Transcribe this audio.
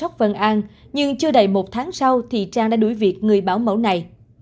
trang bắt đầu bằng sóc vân an nhưng chưa đầy một tháng sau thì trang đã đuổi việc người bảo mẫu này